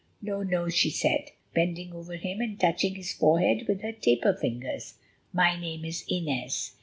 "No, no," she said, bending over him and touching his forehead with her taper fingers; "my name is Inez.